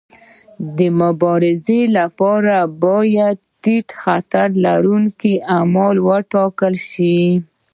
د مبارزې لپاره باید د ټیټ خطر لرونکي اعمال وټاکل شي.